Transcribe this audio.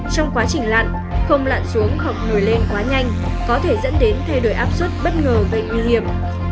trong quá trình lặn không lặn xuống học nổi lên quá nhanh có thể dẫn đến thay đổi áp suất bất ngờ gây nguy hiểm